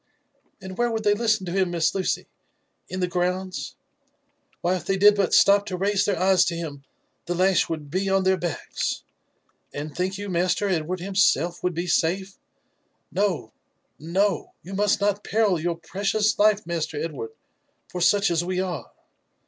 "And where could they listen to him. Miss Lucy? — In the grounds? — ^Why, if they did but stop to raise their eyes to him , the lash would boon their backs. And think you Master Edward himself would be safe? No I no ! you must not peril your precious life, Master Edward, for such as we are.